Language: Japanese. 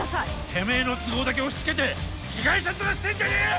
てめえの都合だけ押しつけて被害者面してんじゃねえよ！